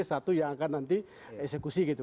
satu yang akan nanti eksekusi gitu